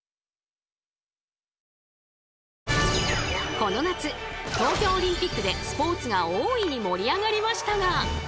この夏東京オリンピックでスポーツが大いに盛り上がりましたが。